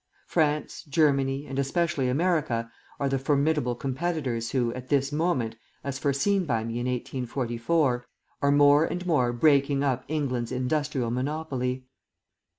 France, Germany, and especially America, are the formidable competitors who, at this moment as foreseen by me in 1844 are more and more breaking up England's industrial monopoly.